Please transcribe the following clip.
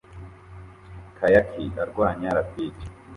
Kayakier arwanya rapide